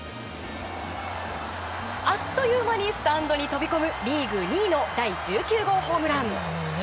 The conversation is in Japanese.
あっという間にスタンドに飛び込むリーグ２位の第１９号ホームラン。